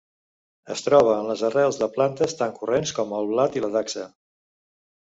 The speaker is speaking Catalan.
Es troba en les arrels de plantes tan corrents com el blat i la dacsa.